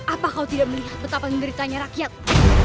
apa kau tidak melihat betapa menderitanya rakyat